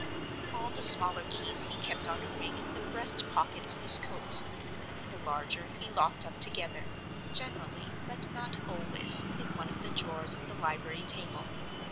All the smaller keys he kept on a ring in the breast pocket of his coat. The larger he locked up together; generally, but not always, in one of the drawers of the library table.